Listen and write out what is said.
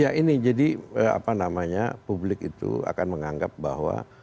ya ini jadi apa namanya publik itu akan menganggap bahwa